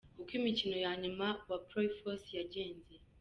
Uko imikino ya nyuma wa Playoffs yagenze.